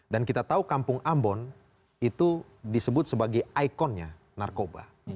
dan kita tahu kampung ambon itu disebut sebagai ikonnya narkoba